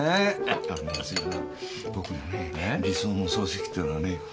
僕のね理想の葬式ってのはね